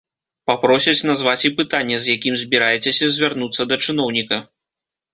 Папросяць назваць і пытанне, з якім збіраецеся звярнуцца да чыноўніка.